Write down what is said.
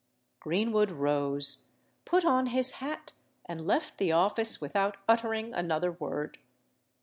Greenwood rose, put on his hat, and left the office without uttering another word.